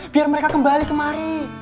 biar mereka kembali kemari